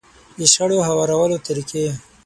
د شخړو هوارولو طريقې.